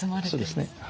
そうですねはい。